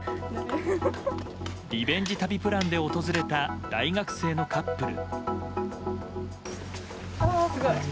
リベンジ旅プランで訪れた大学生のカップル。